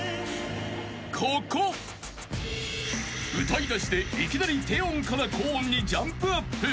［歌いだしでいきなり低音から高音にジャンプアップ］